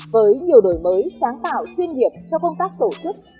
với nhiều đổi mới sáng tạo chuyên nghiệp cho công tác tổ chức